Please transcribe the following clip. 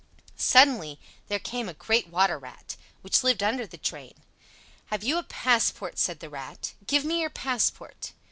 Suddenly there came a great water rat, which lived under the drain. "Have you a passport?" said the Rat. "Give me your passport."